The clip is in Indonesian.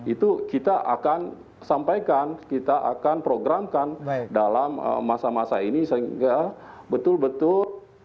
itu kita akan sampaikan kita akan programkan dalam masa masa ini sehingga betul betul